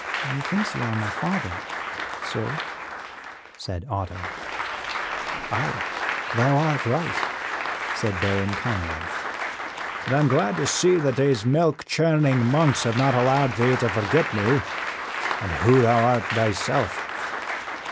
"Methinks you are my father, sir," said Otto. "Aye, thou art right," said Baron Conrad, "and I am glad to see that these milk churning monks have not allowed thee to forget me, and who thou art thyself."